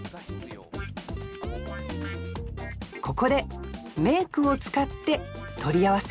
ここで名句を使って取り合わせ？